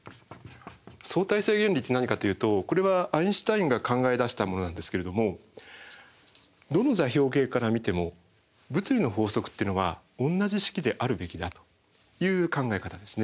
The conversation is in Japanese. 相対性原理って何かというとこれはアインシュタインが考え出したものなんですけれどもどの座標系から見ても物理の法則っていうのは同じ式であるべきだという考え方ですね。